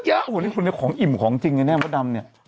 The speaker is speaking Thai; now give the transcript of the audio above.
พอแล้วหนูไม่ต้องพูดเยอะ